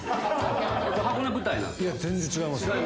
箱根舞台なんすか？